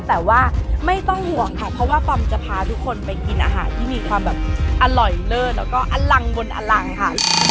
แต่ว่าไม่ต้องห่วงค่ะเพราะว่าปอมจะพาทุกคนไปกินอาหารที่มีความแบบอร่อยเลิศแล้วก็อลังบนอลังค่ะ